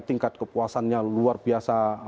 tingkat kepuasannya luar biasa